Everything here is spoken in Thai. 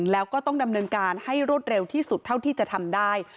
แล้วก็ต้องดำเนินการให้รวดเร็วที่สุดเท่าที่จะทำได้